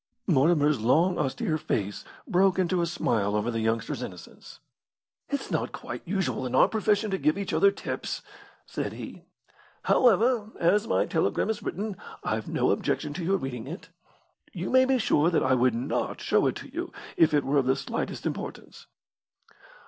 Mortimer's long, austere face broke into a smile over the youngster's innocence. "It's not quite usual in our profession to give each other tips," said he. "However, as my telegram is written, I've no objection to your reading it. You may be sure that I would not show it to you if it were of the slightest importance."